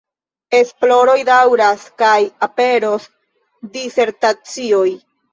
Esploroj daŭras kaj aperos disertacioj.